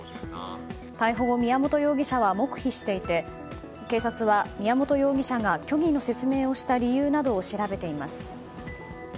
逮捕後、宮本容疑者は黙秘していて警察は宮本容疑者が虚偽の説明をした理由などを調べています。